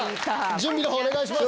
準備のほうお願いします。